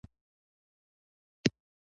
د پاچا له سمندرغاړې باغ و بڼه راوڅرخېدو.